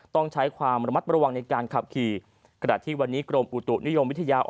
ต้องใช้ความระมัดระวังในการขับขี่ขณะที่วันนี้กรมอุตุนิยมวิทยา